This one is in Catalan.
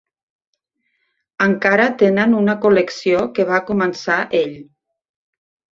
Encara tenen una col·lecció que va començar ell.